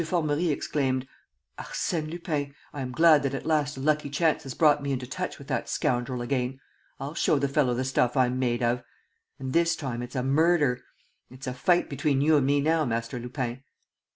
Formerie exclaimed: "Arsène Lupin! I am glad that at last a lucky chance has brought me into touch with that scoundrel again! I'll show the fellow the stuff I'm made of! ... And this time it's a murder! ... It's a fight between you and me now, Master Lupin!"